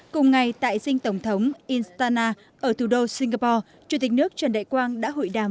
cùng ngày tại dinh tổng thống instana ở thủ đô singapore chủ tịch nước trần đại quang đã hội đàm